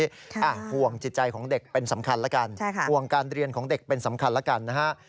อยู่ในโรงเรียนนี้ห่วงจิตใจของเด็กเป็นสำคัญล่ะกันห่วงการเรียนของเด็กเป็นสำคัญล่ะกันนะฮะ